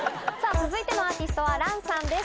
続いてのアーティストはＲａｎさんです